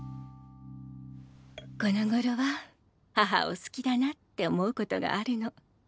このごろは母を好きだなって思うことがあるの。